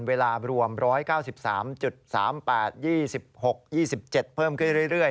เวลารวม๑๙๓๓๘๒๖๒๗เพิ่มขึ้นเรื่อย